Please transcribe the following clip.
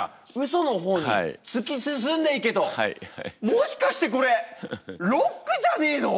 もしかしてこれロックじゃねえの！？